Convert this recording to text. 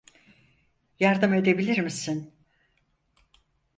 Yardım edebilir misin?